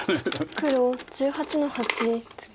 黒１８の八ツケ。